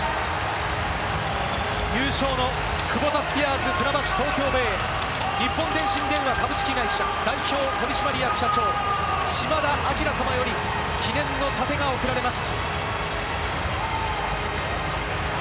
優勝のクボタスピアーズ船橋・東京ベイ、日本電信電話株式会社、代表取締役社長・島田明様より記念の楯が贈られます。